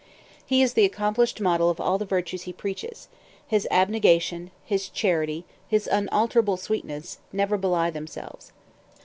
He is the accomplished model of all the virtues he preaches; his abnegation, his charity, his unalterable sweetness, never belie themselves.